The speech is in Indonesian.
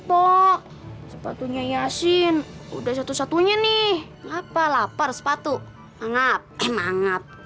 pok sepatunya yasin udah satu satunya nih ngapa lapar sepatu enggak emang ngap